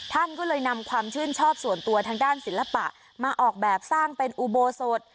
ท่านก็เลยนำความชื่นชอบส่วนตัวทางด้านศิลปะมาออกแบบสร้างเป็นอุโบสถ